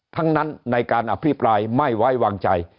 ทั้งนั้นในการอภิปรายไม่ไว้วางใจ